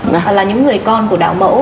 và là những người con của đạo mẫu